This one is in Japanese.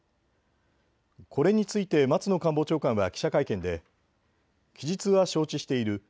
これについて松野官房長官は記者会見で記述は承知している。